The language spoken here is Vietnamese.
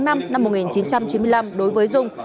năm một nghìn chín trăm chín mươi năm đối với dung